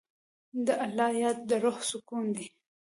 د الله یاد د روح سکون دی.